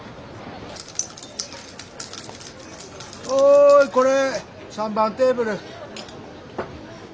おいこれ３番テーブル。